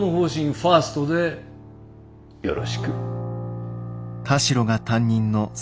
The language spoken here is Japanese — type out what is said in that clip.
ファーストでよろしく。